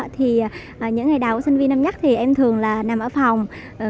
thì những ngày đầu sinh viên năm nhất thì em thường là nằm ở phòng